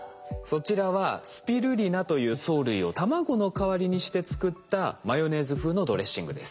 そちらはスピルリナという藻類を卵の代わりにして作ったマヨネーズ風のドレッシングです。